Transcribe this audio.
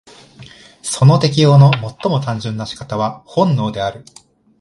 その適応の最も単純な仕方は本能である。